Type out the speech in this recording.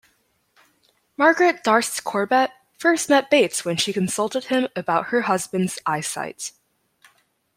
Margaret Darst Corbett first met Bates when she consulted him about her husband's eyesight.